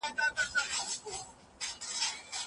د دلارام په ښوونځیو کي د پوهنې کچه ورځ تر بلې لوړېږي